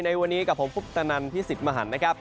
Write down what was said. ในวันนี้กับผมคุปตนันพี่สิทธิ์มหันนะครับ